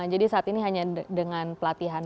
jadi saat ini hanya dengan pelatihan